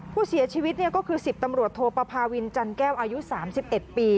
ผู้เสียชีวิตก็คือ๑๐ตำรวจโทปภาวินจันแก้วอายุ๓๑ปี